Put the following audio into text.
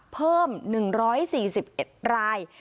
เพิ่ม๑๔๑ราย